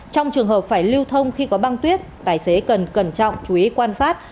trong trường hợp phải lưu thông khi có băng tuyết tài xế cần cẩn trọng chú ý quan sát